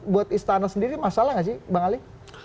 buat istana sendiri masalah nggak sih bang ali